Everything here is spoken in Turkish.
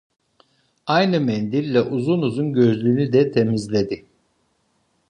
Aynı mendille uzun uzun gözlüğünü de temizledi.